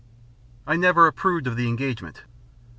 I never approved of the engagement.